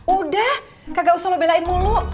udah kagak usah lo belain mulu